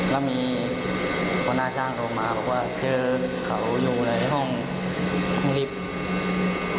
แล้วมีคุณหน้าช่างลงมาบอกว่าเขาอยู่ในห้องลิฟท์